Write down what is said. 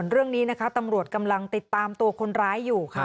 เรื่องนี้นะคะตำรวจกำลังติดตามตัวคนร้ายอยู่ค่ะ